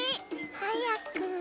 はやく。